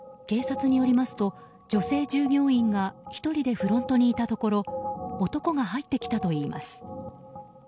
警察によりますと女性従業員が１人でフロントにいたところ男が入ってきたといいます。